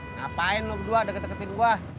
ngapain lo berdua udah keteketin gue